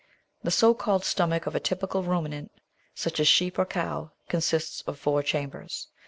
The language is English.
The so called stomach of a typical ruminant, such as sheep or cow, consists of four chambers.